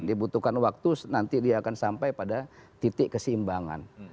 dibutuhkan waktu nanti dia akan sampai pada titik keseimbangan